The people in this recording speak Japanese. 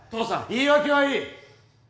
言い訳はいい。